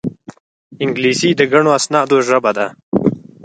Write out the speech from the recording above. انګلیسي د ګڼو اسنادو ژبه ده